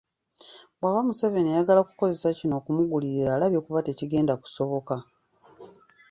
Bw’aba Museveni ayagala kukozesa kino okumugulirira alabye kuba tekigenda kusoboka.